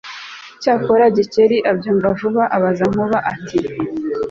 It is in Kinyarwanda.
Cyakora Gikeli abyumva vuba abaza Nkuba ati